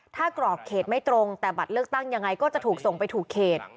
ถ้ากรอกเขตไม่ตรงแต่บัตรเลือกตั้งยังไงก็จะถูกส่งไปถูกเขต